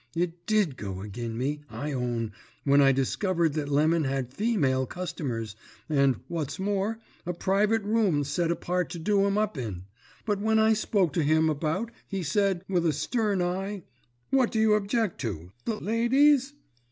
It did go agin me, I own, when I discovered that Lemon had female customers, and, what's more, a private room set apart to do 'em up in; but when I spoke to him about he said, with a stern eye: "'What do you object to? The ladies?'